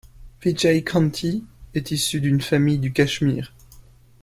Vijay Kranti est issue d'une famille du Cachemire.